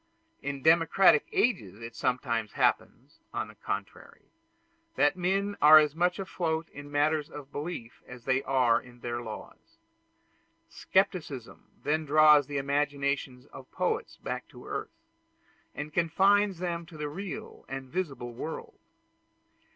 In democratic ages it sometimes happens, on the contrary, that men are as much afloat in matters of belief as they are in their laws. Scepticism then draws the imagination of poets back to earth, and confines them to the real and visible world.